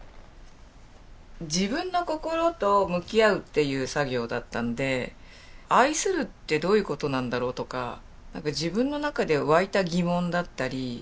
自分の心と向き合うっていう作業だったんで愛するってどういうことなんだろう？とか自分の中で湧いた疑問だったり。